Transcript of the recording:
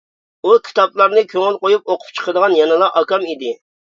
ئۇ كىتابلارنى كۆڭۈل قويۇپ ئوقۇپ چىقىدىغان يەنىلا ئاكام ئىدى.